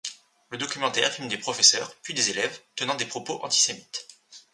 Le documentaire filme des professeurs, puis des élèves, tenant des propos antisémites.